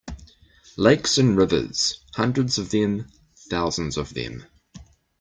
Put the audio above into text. Lakes and rivers, hundreds of them, thousands of them.